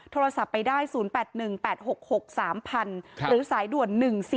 โทรศัพท์ไปได้๐๘๑๘๖๖๓๐๐๐หรือสายด่วน๑๔